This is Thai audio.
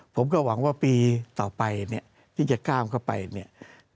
ผมก็หวังว่าปีต่อไปเนี่ยที่จะก้าวเข้าไปเนี่ย